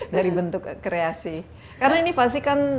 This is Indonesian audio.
dari bentuk kreasi karena ini pasti kan